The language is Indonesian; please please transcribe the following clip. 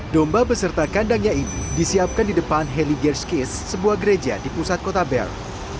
domba beserta kandangnya ini disiapkan di depan heli gerskis sebuah gereja di pusat kota bern